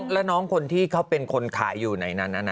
แล้วน้องคนที่เขาเป็นคนขายอยู่ในนั้น